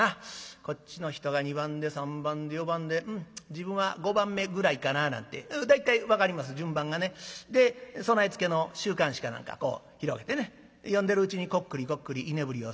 こっちの人が２番で３番で４番でうん自分は５番目ぐらいかな」なんて大体分かります順番がね。で備え付けの週刊誌か何かこう広げてね読んでるうちにこっくりこっくり居眠りをする。